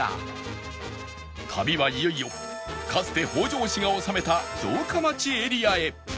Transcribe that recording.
旅はいよいよかつて北条氏が治めた城下町エリアへ